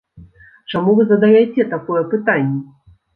Чаму вы задаяце такое пытанне?